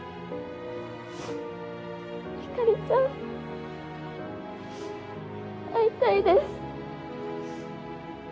ひかりちゃん会いたいです。